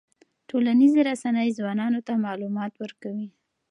ټولنیزې رسنۍ ځوانانو ته معلومات ورکوي.